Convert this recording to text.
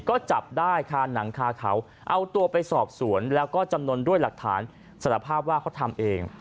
ก็จับได้คาหนังคาเขาเอาตัวไปสอบสวนแล้วก็จำนวนด้วยหลักฐานสารภาพว่าเขาทำเอง